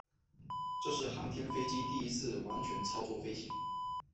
这是航天飞机第一次完全操作飞行。